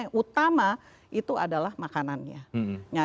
yang utama itu adalah makanannya